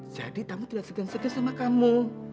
jadi tamu tidak segan segan sama kamu